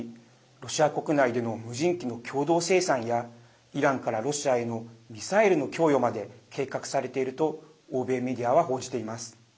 ロシア国内での無人機の共同生産やイランからロシアへのミサイルの供与まで計画されていると欧米メディアは報じています。